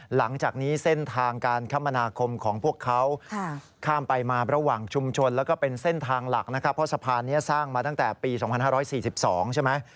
หลักนะครับเพราะสะพานนี้สร้างมาตั้งแต่ปี๒๕๔๒ใช่ไหม